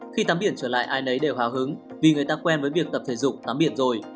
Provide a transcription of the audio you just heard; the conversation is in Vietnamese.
khi tắm biển trở lại ai nấy đều hào hứng vì người ta quen với việc tập thể dục tắm biển rồi